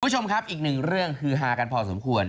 คุณผู้ชมครับอีกหนึ่งเรื่องฮือฮากันพอสมควร